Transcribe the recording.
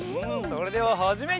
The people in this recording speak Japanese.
それでははじめ！